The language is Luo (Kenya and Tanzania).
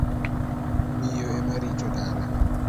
Miyo ema rito dala.